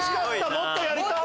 もっとやりたい！